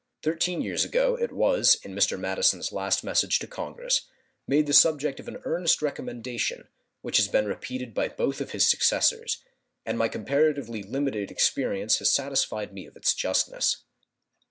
Thirteen years ago it was, in Mr. Madison's last message to Congress, made the subject of an earnest recommendation, which has been repeated by both of his successors; and my comparatively limited experience has satisfied me of its justness.